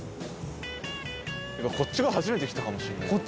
こっち側初めて来たかもしんない。